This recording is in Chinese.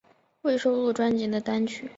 未收录专辑的单曲